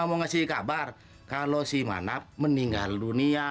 mau ngasih kabar kalau si manap meninggal dunia